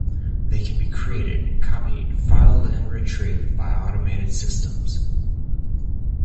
They can be created, copied, filed and retrieved by automated systems.